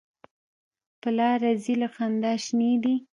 په لاره ځي له خندا شینې دي.